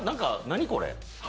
何これ？